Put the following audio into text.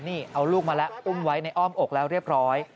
นี่เอาลูกมาแล้วอุ้มไว้ในอ้อมอกแล้วเรียบร้อย